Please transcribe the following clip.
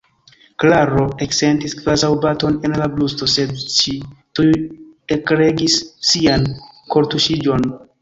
Klaro eksentis kvazaŭ baton en la brusto, sed ŝi tuj ekregis sian kortuŝiĝon.